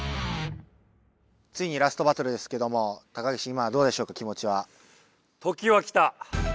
ついにラストバトルですけども高岸今はどうでしょうか気もちは？